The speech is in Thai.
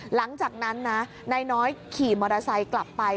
หลังจากนั้นนะนายน้อยขี่มอเตอร์ไซค์กลับไป